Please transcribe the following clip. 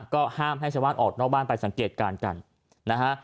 ก็ห้ามให้ชาวบ้านออกนอกบ้านไปสังเกตการณ์กันนะฮะ